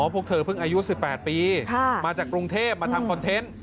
อ๋อพวกเธอเพิ่งอายุสิบแปดปีค่ะมาจากกรุงเทพมาทำคอนเทนต์